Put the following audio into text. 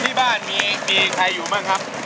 ที่บ้านมีใครอยู่บ้างครับ